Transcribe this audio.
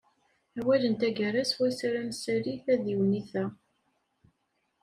Awal n taggara swayes ara nessali tadiwennit-a.